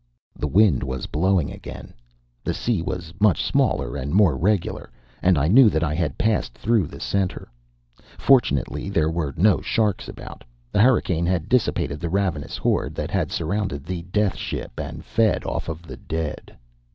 The wind was blowing again, the sea was much smaller and more regular, and I knew that I had passed through the center. Fortunately, there were no sharks about. The hurricane had dissipated the ravenous horde that had surrounded the death ship and fed off the dead.